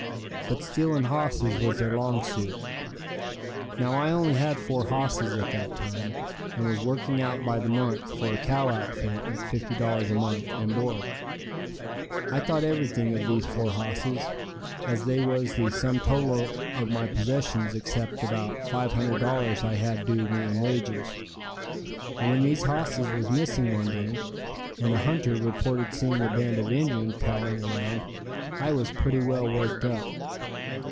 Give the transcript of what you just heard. But stealing hosses was their long suit. Now, I only had four hosses at that time, and was working out by the month for a cow outfit at $50 a month and board. I thought everything of these four hosses, as they was the sum total of my possessions except about $500 I had due me in wages. And when these hosses was missing one day and a hunter reported seeing a band of Injuns prowling around, I was pretty well worked up.